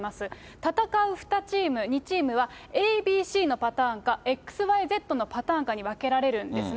戦う２チーム、２チームは、ＡＢＣのパターンか、ＸＹＺのパターンかに分けられるんですね。